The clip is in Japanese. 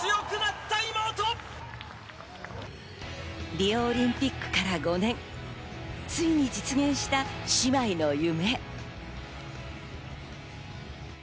リオオリンピックから５年、ついに実現した姉妹の夢。